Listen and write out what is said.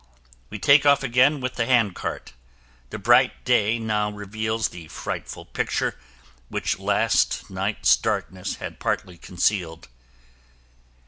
We take off again with the hand cart. The bright day now reveals the frightful picture which last night's darkness had partly concealed.